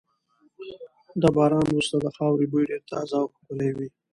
د باران وروسته د خاورې بوی ډېر تازه او ښکلی وي.